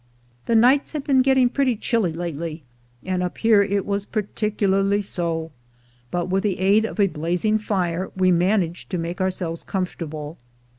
The nights had been getting pretty chilly lately, and up here it was particularly so; but with the aid of a blazing fire we managed to make ourselves com fortable.